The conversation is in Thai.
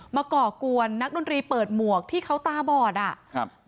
ก่อกวนนักดนตรีเปิดหมวกที่เขาตาบอดอ่ะครับ